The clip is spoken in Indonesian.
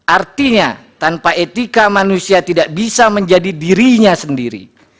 artinya tanpa etika manusia tidak bisa menjadi dirinya sendiri